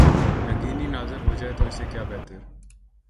رنگینی نازل ہو جائے تو اس سے کیا بہتر۔